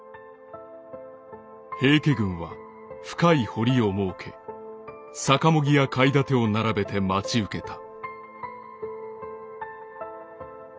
「平家軍は深い堀を設け逆茂木や垣楯を並べて待ち受けた」。